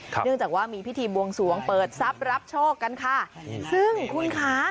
เนื่องจากว่ามีพิธีบวงสวงเปิดทรัพย์รับโชคกันค่ะซึ่งคุณคะ